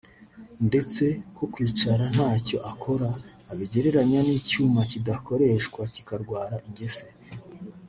ndetse ko kwicara ntacyo akora abigereranya n’icyuma kidakoreshwa kikarwara ingese